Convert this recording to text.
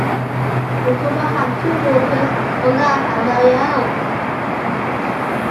The couple have two daughters, Hollan and Mariel.